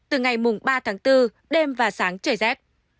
từ ngày mùng ba tháng bốn đêm và sáng trời rét